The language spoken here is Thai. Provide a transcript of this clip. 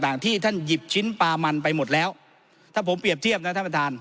มันมันมาจากที่ท่านหยิบชิ้นปลามันไปหมดแล้วถ้าผมเปรียบเทียบนะถ้างแนน